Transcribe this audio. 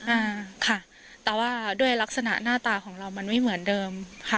อ่าค่ะแต่ว่าด้วยลักษณะหน้าตาของเรามันไม่เหมือนเดิมค่ะ